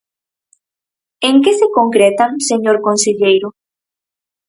¿En que se concretan, señor conselleiro?